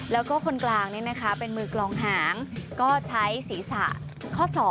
แล้วก็คนกลางเป็นมือกลองหางก็ใช้ศีรษะข้อ๒